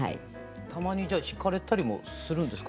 たまに弾かれたりもするんですか？